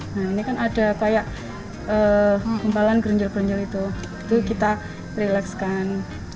nah ini kan ada kayak kumpalan gerunjel gerunjel itu itu kita rilekskan